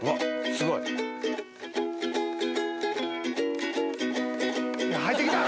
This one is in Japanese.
すごい。入ってきたら